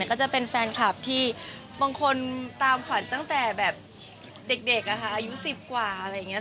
ก็จะเป็นแฟนคลับที่บางคนตามขวัญตั้งแต่แบบเด็กอายุ๑๐กว่าอะไรอย่างนี้